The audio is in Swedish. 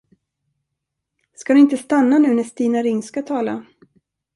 Ska ni inte stanna nu när Stina Ring ska tala?